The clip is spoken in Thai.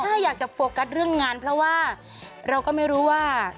ถ้าอยากจะโฟกัสเรื่องงานเพราะว่าเราก็ไม่รู้ว่า